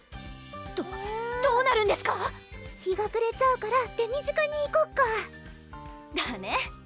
どどうなるんですか⁉えるぅ日がくれちゃうから手短にいこっかだね